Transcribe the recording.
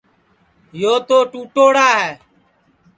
یو تو ٹُوٹوڑا ہے